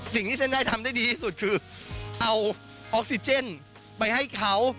สิ่งที่เส้นได้ทำได้ดีที่สุดคือเอาออกซิเจนไปให้เขา